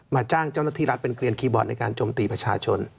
จ้างเจ้าหน้าที่รัฐเป็นเกลียนคีย์บอร์ดในการจมตีประชาชน